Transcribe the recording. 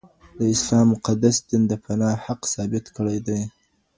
د اسلام مقدس دين د پناه حق ثابت کړی دی.